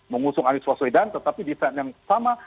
mengusung anies waswedan tetapi di saat yang sama